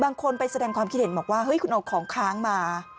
บางคนไปแสดงความคิดเห็นบอกว่าเฮ้ยคุณเอาของค้างมา